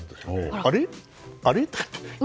あれ？